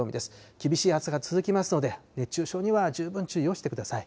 厳しい暑さが続きますので、熱中症には十分注意をしてください。